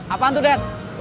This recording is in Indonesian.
apaan tuh de